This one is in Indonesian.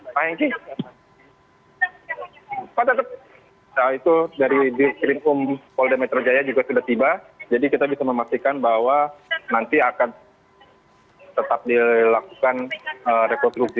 pak hengkit saat itu dari di skrim um polda metro jaya juga sudah tiba jadi kita bisa memastikan bahwa nanti akan tetap dilakukan rekonstruksi